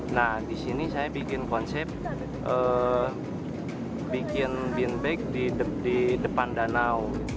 nah di sini saya bikin konsep bikin bin bag di depan danau